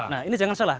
nah ini jangan salah